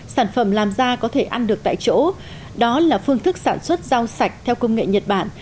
sản phẩm làm ra có thể ăn được tại chỗ đó là phương thức sản xuất rau sạch theo công nghệ nhật bản